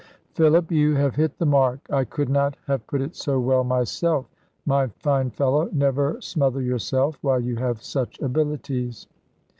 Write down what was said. "Philip, you have hit the mark. I could not have put it so well myself. My fine fellow, never smother yourself while you have such abilities."